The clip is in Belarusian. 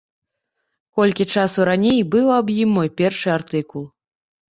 Колькі часу раней быў аб ім мой першы артыкул.